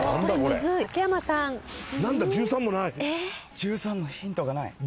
・１３のヒントがない。